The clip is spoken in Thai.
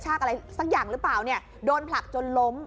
อะไรสักอย่างหรือเปล่าเนี่ยโดนผลักจนล้ม